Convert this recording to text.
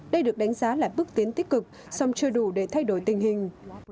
đây được đánh giá là bước tiến tích cực song chưa đủ để thay đổi tình hình